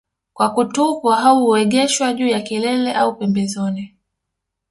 Kwa kutupwa au huegeshwa juu ya kilele au pembezoni